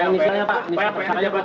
yang misalnya pak